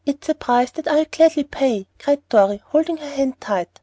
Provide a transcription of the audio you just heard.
"It's a price that I'll gladly pay," cried Dorry, holding her hand tight.